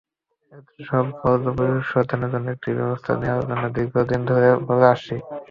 এসব বর্জ্য পরিশোধনের জন্য একটি ব্যবস্থা নেওয়ার কথা দীর্ঘদিন ধরে বলে আসছি।